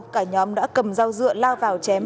cả nhóm đã cầm dao dựa la vào chém